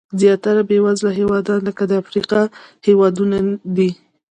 زیاتره بېوزله هېوادونه لکه د افریقا هېوادونه دي.